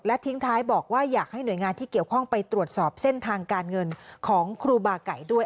ทิ้งท้ายบอกว่าอยากให้หน่วยงานที่เกี่ยวข้องไปตรวจสอบเส้นทางการเงินของครูบาไก่ด้วย